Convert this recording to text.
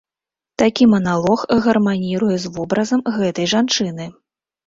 Такі маналог гарманіруе з вобразам гэтай жанчыны.